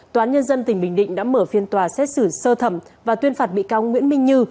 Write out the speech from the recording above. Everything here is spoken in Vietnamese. toán nhân dân tỉnh bình định đã mở phiên tòa xét xử sơ thẩm và tuyên phạt bị cao nguyễn minh như